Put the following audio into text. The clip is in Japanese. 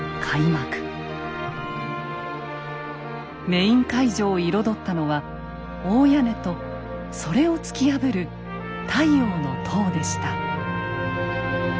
メイン会場を彩ったのは大屋根とそれを突き破る「太陽の塔」でした。